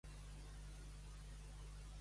Va obrir una consulta la seva ciutat natal.